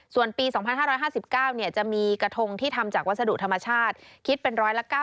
ส่วนปี๒๕๕๙จะมีกระทงที่ทำจากวัสดุธรรมชาติคิดเป็น๑๙๐